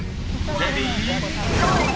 レディーゴー！］